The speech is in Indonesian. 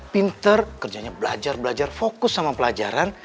pinter kerjanya belajar belajar fokus sama pelajaran